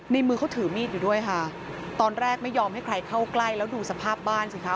มือเขาถือมีดอยู่ด้วยค่ะตอนแรกไม่ยอมให้ใครเข้าใกล้แล้วดูสภาพบ้านสิคะ